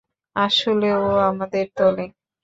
আসলে, ও আমাদের দলেই।